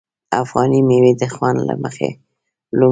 افغاني میوې د خوند له مخې لومړی دي.